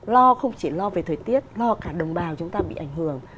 lo không chỉ lo về thời tiết lo cả đồng bào chúng ta bị ảnh hưởng